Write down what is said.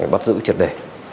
bắt giữ trật đề